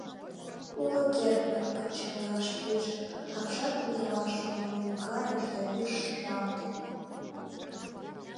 Уло кертмын почаҥаш пиже, апшатын товарже волен кайыш да вӱр шыжалте.